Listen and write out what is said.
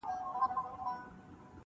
پښتنې سترګي دي و لیدې نرګسه-